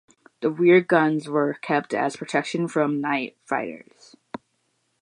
The rear guns were kept as protection from night fighters.